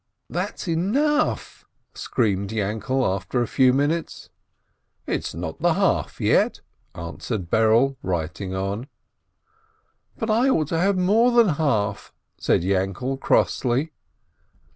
"That's enough !" screamed Yainkele, after a few minutes. "It's not the half yet," answered Berele, writing on. "But I ought to have more than half I" said Yainkele, crossly.